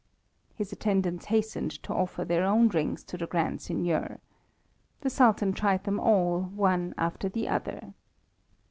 His attendants hastened to offer their own rings to the Grand Signior. The Sultan tried them all one after another.